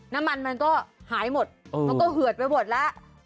น้ำมันมันก็หายหมดมันก็เหือดไปหมดแล้ว